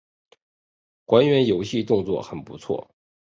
还原游戏动作很不错